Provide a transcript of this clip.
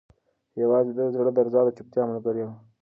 یوازې د ده د زړه درزا د چوپتیا ملګرې وه.